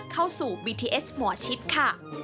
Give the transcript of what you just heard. เข้าสู่บีทีเอสหมอชิดค่ะ